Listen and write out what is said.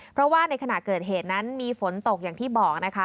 เพราะว่าในขณะเกิดเหตุนั้นมีฝนตกอย่างที่บอกนะคะ